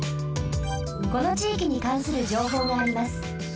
このちいきにかんするじょうほうがあります。